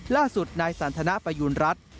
ล่าสุดนายสันทนาประยูณรัฐ